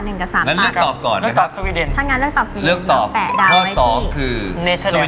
งั้นเลือกตอบก่อนนะครับถ้างั้นเลือกตอบสวีเดนด์ต้องแปะดาวไหมที่